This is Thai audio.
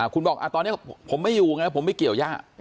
คุณบอกตอนนี้ผมไม่อยู่ไงผมไม่เกี่ยวย่า